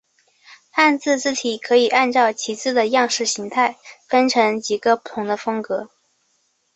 汉字字体可以按照其字的样式形态分成几个不同的风格。